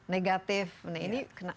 negatif nah ini